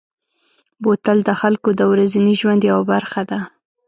بوتل د خلکو د ورځني ژوند یوه برخه ده.